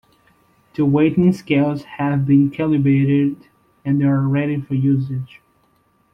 The weighing scales have been calibrated and are ready for usage.